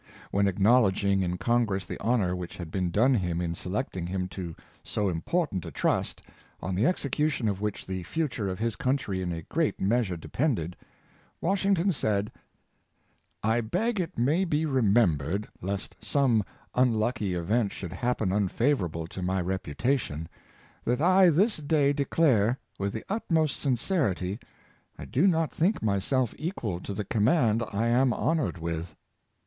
When acknowledging in Congress the honor which had been done him in selecting him to so important a trust, on the execution of which the fu ture of his country in a great measure depended, Wash ington said: '^ I beg it may be remembered, lest some unlucky event should happen unfavorable to my reputa tion, that I this day declare, with the utmost sincerity, I do not think myself equal to the command I am hon ored with."